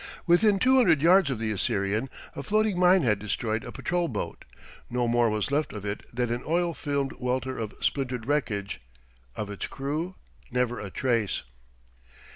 Within two hundred yards of the Assyrian a floating mine had destroyed a patrol boat. No more was left of it than an oil filmed welter of splintered wreckage: of its crew, never a trace.